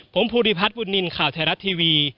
ผมภูริพัฒน์บุญนินทร์ข่าวไทยรัฐทีวี